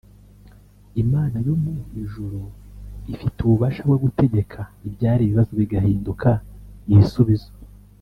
Imana yo mu ijuru ifite ububasha bwo gutegeka ibyari ibibazo bigahinduka ibisubizo